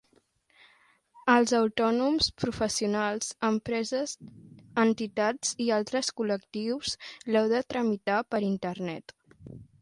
Els autònoms, professionals, empreses, entitats i altres col·lectius l'heu de tramitar per internet.